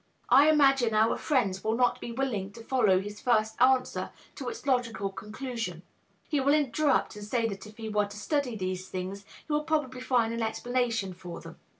I imagine our friend will not be willing to follow his first answer to its logical conclusion; he will interrupt and say that if he were to study these things he would probably find an explanation for them.